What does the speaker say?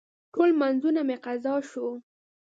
ټول لمونځونه مې قضا شوه.